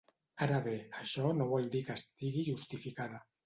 Ara bé, això no vol dir que estigui justificada.